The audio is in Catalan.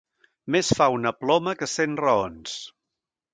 Més fa una ploma que cent raons.